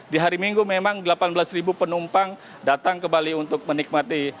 di hari minggu memang delapan belas penumpang datang ke bali untuk menikmati